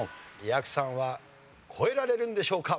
やくさんは越えられるんでしょうか？